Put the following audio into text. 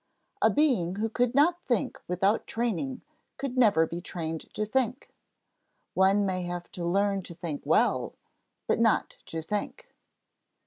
A being who could not think without training could never be trained to think; one may have to learn to think well, but not to think.